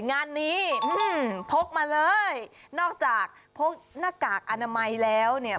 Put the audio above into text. งานนี้อืมพกมาเลยนอกจากพกหน้ากากอนามัยแล้วเนี่ย